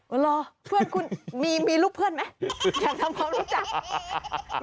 เหรอเพื่อนคุณมีลูกเพื่อนไหมอยากทำความรู้จัก